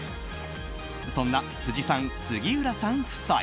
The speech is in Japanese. そんな辻さん、杉浦さん夫妻。